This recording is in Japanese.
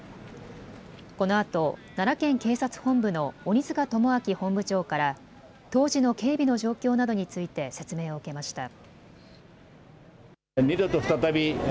このあと奈良県警察本部の鬼塚友章本部長から当時の警備の状況などについて説明を受けました。